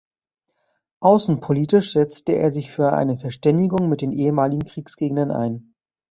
Außenpolitisch setzte er sich für eine Verständigung mit den ehemaligen Kriegsgegnern ein.